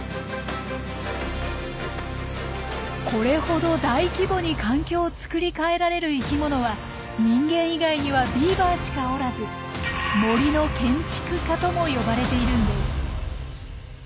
これほど大規模に環境を作り替えられる生きものは人間以外にはビーバーしかおらず「森の建築家」とも呼ばれているんです。